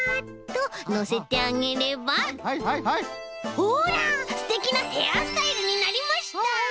ほらすてきなヘアスタイルになりました！